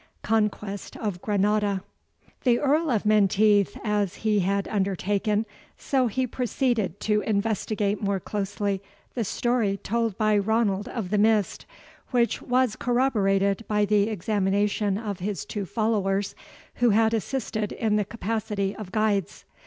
CONQUEST OF GRANADA The Earl of Menteith, as he had undertaken, so he proceeded to investigate more closely the story told by Ranald of the Mist, which was corroborated by the examination of his two followers, who had assisted in the capacity of guides.